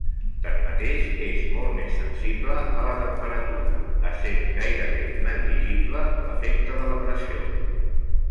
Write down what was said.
Tanmateix, és molt més sensible a la temperatura, essent gairebé negligible l'efecte de la pressió.